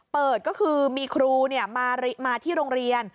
เปิดก็คือมีครูมาที่โรงเรียน